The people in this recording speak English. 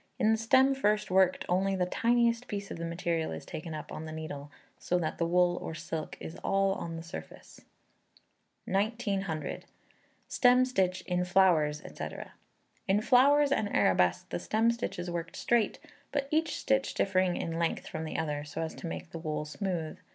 In the stem first worked only the tiniest piece of the material is taken up on the needle, so that the wool or silk is all on the surface. 1900. Stem Stitch in Flowers, &c. In flowers and arabesques the stem stitch is worked straight, but each stitch differing in length from the other, so as to make the wool smooth.